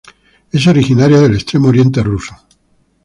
Es originaria del Extremo Oriente ruso.